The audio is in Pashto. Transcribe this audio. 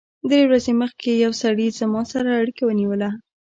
درې ورځې مخکې یو سړي زما سره اړیکه ونیوله